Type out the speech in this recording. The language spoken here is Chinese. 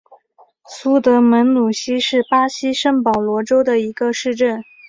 苏德门努西是巴西圣保罗州的一个市镇。